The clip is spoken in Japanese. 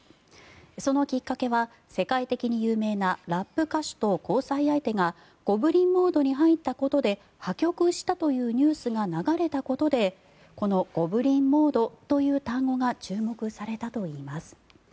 そのきっかけは、世界的に有名なラップ歌手と、その交際相手がゴブリン・モードに入ったことで破局したというニュースが流れたことでこのゴブリン・モードという単語が注目されたといいます。